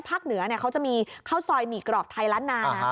เหนือเขาจะมีข้าวซอยหมี่กรอบไทยล้านนานะ